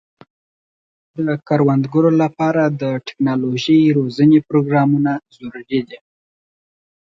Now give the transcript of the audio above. د کروندګرو لپاره د ټکنالوژۍ روزنې پروګرامونه ضروري دي.